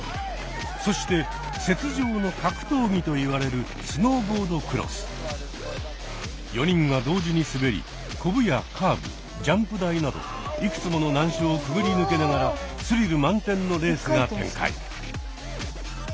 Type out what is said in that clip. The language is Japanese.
そして「雪上の格闘技」といわれる４人が同時に滑りコブやカーブジャンプ台などいくつもの難所をくぐり抜けながらスリル満点のレースが展開。